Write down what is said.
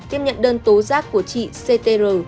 tiếp nhận đơn tố giác của chị ctr